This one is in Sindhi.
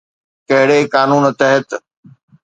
ڪهڙي قانون تحت؟